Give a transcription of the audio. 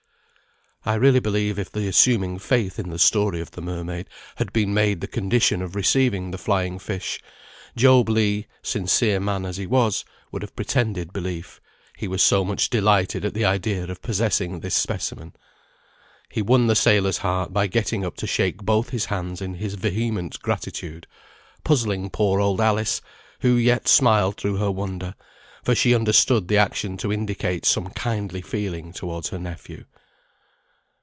I really believe if the assuming faith in the story of the mermaid had been made the condition of receiving the flying fish, Job Legh, sincere man as he was, would have pretended belief; he was so much delighted at the idea of possessing this specimen. He won the sailor's heart by getting up to shake both his hands in his vehement gratitude, puzzling poor old Alice, who yet smiled through her wonder; for she understood the action to indicate some kindly feeling towards her nephew.